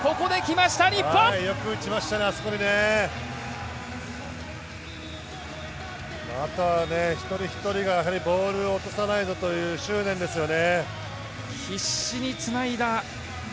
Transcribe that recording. また一人一人がやはりボールを落とさないぞという執念ですよね。